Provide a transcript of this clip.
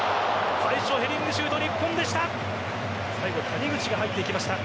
最初ヘディングシュート日本でした。